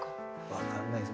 分かんないです。